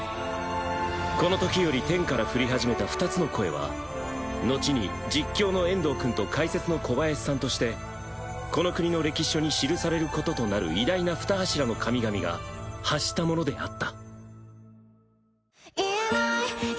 このときより天から降りはじめた２つの声は後に実況の遠藤くんと解説の小林さんとしてこの国の歴史書に記されることとなる偉大なふた柱の神々が発したものであった